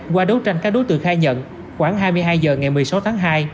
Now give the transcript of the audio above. qua đấu tranh các đối tượng khai nhận khoảng hai mươi hai h ngày một mươi sáu tháng hai